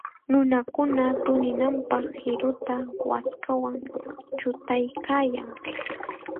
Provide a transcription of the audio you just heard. Nunakuna tuninanpaq qiruta waskawan chutaykaayan.